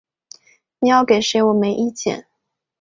你要给谁我没有意见